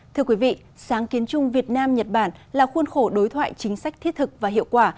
thưa quý vị sáng kiến chung việt nam nhật bản là khuôn khổ đối thoại chính sách thiết thực và hiệu quả